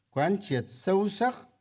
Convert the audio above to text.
quán triệt sâu sắc